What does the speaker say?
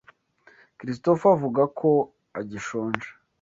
Christopher avuga ko agishonje.